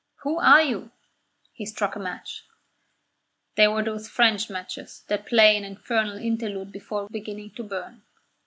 "Who are you?" He struck a match. They were those French matches that play an infernal interlude before beginning to burn.